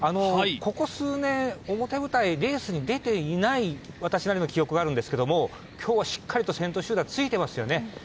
ここ数年表舞台、レースに出ていない私なりの記憶があるんですけど今日は、しっかりと先頭集団についていますよね。